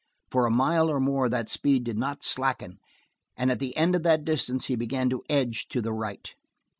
For a mile or more that speed did not slacken, and at the end of that distance he began to edge to the right.